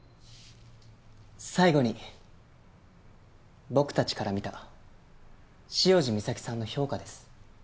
最後に僕たちから見た潮路岬さんの評価です。